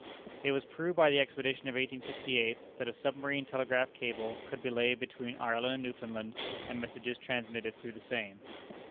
It was proved by the expedition of 1858, that a Submarine Telegraph Cable could be laid between Ireland and Newfoundland, and messages transmitted through the same.